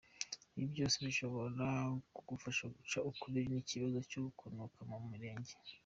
Ibi byose bishobora kugufasha guca ukubiri n’ikibazo cyo kunuka mu birenge.